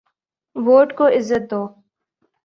Vote کو عزت دو۔